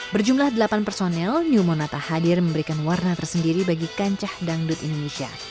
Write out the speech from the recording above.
berjumlah delapan personel new monata hadir memberikan warna tersendiri bagi kancah dangdut indonesia